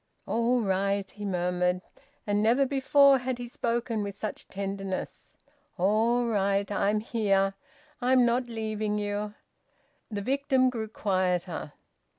"All right!" he murmured, and never before had he spoken with such tenderness. "All right! I'm here. I'm not leaving you." The victim grew quieter.